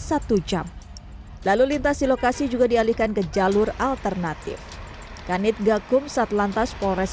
satu jam lalu lintas di lokasi juga dialihkan ke jalur alternatif kanit gakum satlantas polres